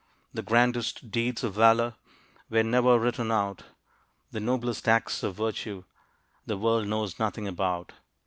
The grandest deeds of valor Were never written out, The noblest acts of virtue The world knows nothing about.